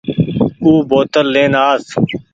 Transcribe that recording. او بوتل لين آس